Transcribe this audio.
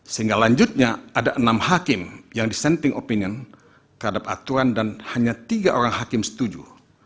sehingga lanjutnya ada enam hakim yang dissenting opinion terhadap aturan dan hanya tiga orang hakim setuju